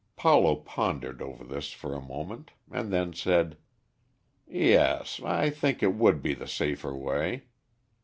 Paulo pondered over this for a moment, and then said, "Yes; I think it would be the safer way.